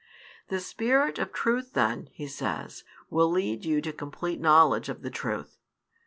The Spirit of Truth then, He says, will lead you to complete knowledge of the truth.